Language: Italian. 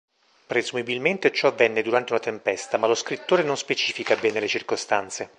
Presumibilmente ciò avvenne durante una tempesta, ma lo scrittore non specifica bene le circostanze.